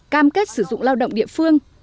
cam kết sử dụng lao động địa phương